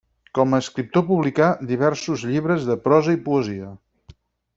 Com a escriptor publicà diversos llibres de prosa i poesia.